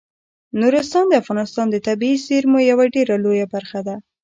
نورستان د افغانستان د طبیعي زیرمو یوه ډیره لویه برخه ده.